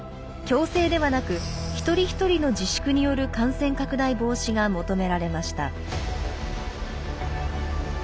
強制ではなく一人一人の自粛による感染拡大防止が求められました。